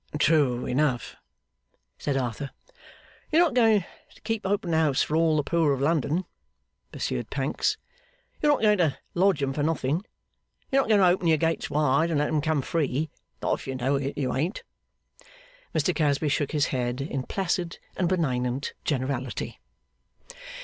'True enough,' said Arthur. 'You're not going to keep open house for all the poor of London,' pursued Pancks. 'You're not going to lodge 'em for nothing. You're not going to open your gates wide and let 'em come free. Not if you know it, you ain't.' Mr Casby shook his head, in Placid and benignant generality.